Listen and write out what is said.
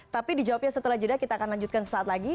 tapi dijawabnya setelah jeda kita akan lanjutkan sesaat lagi